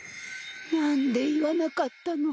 なんで言わなかったの？